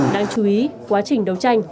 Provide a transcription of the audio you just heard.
đáng chú ý quá trình đấu tranh